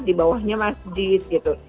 di bawahnya masjid gitu